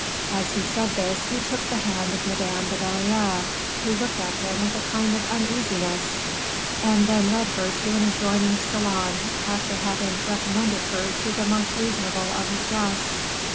As he said this, he took the hand of Madame de Belliere, who looked at him with a kind of uneasiness, and then led her to an adjoining salon, after having recommended her to the most reasonable of his guests.